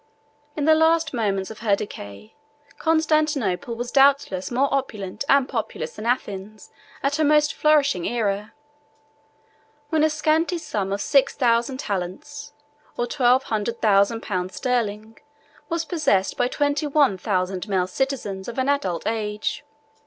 In the last moments of her decay, Constantinople was doubtless more opulent and populous than Athens at her most flourishing aera, when a scanty sum of six thousand talents, or twelve hundred thousand pounds sterling was possessed by twenty one thousand male citizens of an adult age.